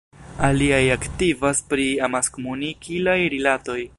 Aliaj aktivas pri amaskomunikilaj rilatoj.